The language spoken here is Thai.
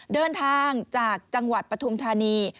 เดินทางจากจังหวัดปฐุมธานี